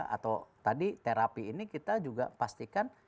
atau tadi terapi ini kita juga pastikan